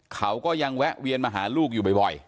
เขาก็ยังแวะเวียนมาหาลูกอยู่บ่อย